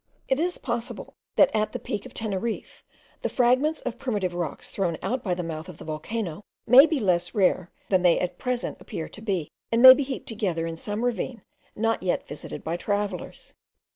It is possible, that at the Peak of Teneriffe, the fragments of primitive rocks thrown out by the mouth of the volcano may be less rare than they at present appear to be, and may be heaped together in some ravine, not yet visited by travellers.